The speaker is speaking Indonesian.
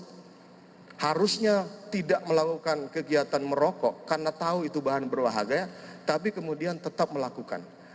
jadi harusnya tidak melakukan kegiatan merokok karena tahu itu bahan berbahagia tapi kemudian tetap melakukan